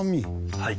はい。